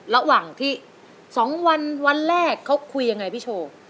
ระหว่างที่๒วันวันแรกเขาคุยยังไงพี่โชว์